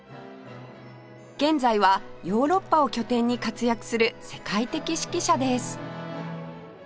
現在はヨーロッパを拠点に活躍する世界的指揮者です